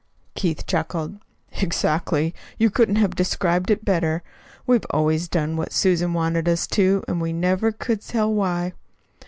Keith chuckled. "Exactly! You couldn't have described it better. We've always done what Susan wanted us to, and we never could tell why.